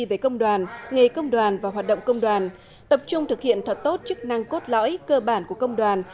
về công đoàn nghề công đoàn và hoạt động công đoàn tập trung thực hiện thật tốt chức năng cốt lõi cơ bản của công đoàn